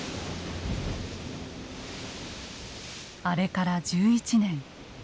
あれから１１年。